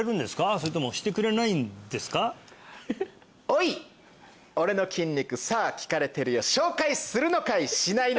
おい俺の筋肉さあ聞かれてるよ紹介するのかい？